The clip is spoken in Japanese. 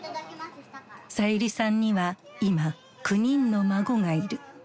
さゆりさんには今９人の孫がいる。